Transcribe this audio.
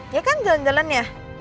ya kan jalan jalannya